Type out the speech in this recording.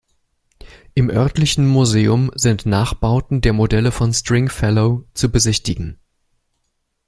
Im örtlichen Museum sind Nachbauten der Modelle von Stringfellow zu besichtigen.